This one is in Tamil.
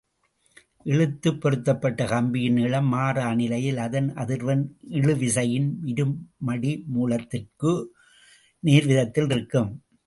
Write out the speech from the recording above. இழுத்துப் பொருத்தப்பட்ட கம்பியின் நீளம் மாறா நிலையில், அதன் அதிர்வெண் இழுவிசையின் இருமடிமுலத்திற்கு நேர்விதத்தில் இருக்கும்.